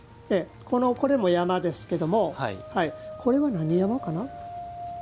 これも山ですけれどもこれは、何山かな？